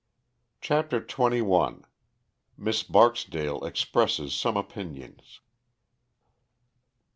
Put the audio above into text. CHAPTER XXI. _Miss Barksdale Expresses some Opinions.